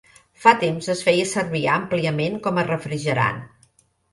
Fa temps es feia servir àmpliament com a refrigerant.